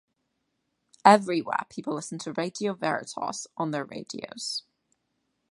Everywhere, people listened to Radio Veritas on their radios.